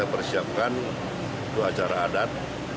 kita persiapkan acara adat